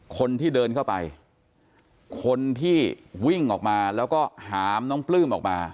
คนที่เดินเข้าไปคนที่วิ่งออกมาแล้วก็หามน้องปลื้มออกมา